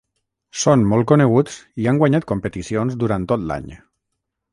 Són molt coneguts i han guanyat competicions durant tot l'any.